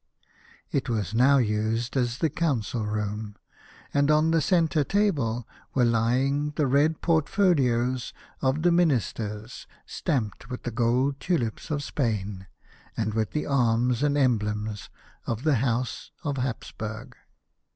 It was now used as the council room, and on the centre table were lying the red portfolios of the ministers, stamped with the gold tulips of Spain, and with the arms and emblems of the house of Hapsburg.